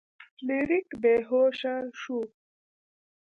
فلیریک بې هوښه شو.